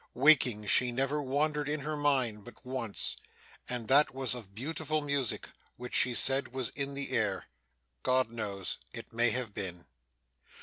Waking, she never wandered in her mind but once, and that was of beautiful music which she said was in the air. God knows. It may have been.